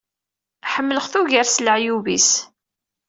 Ḥemmleɣ-t ugar s leɛyub-is.